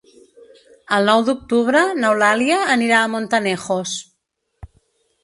El nou d'octubre n'Eulàlia anirà a Montanejos.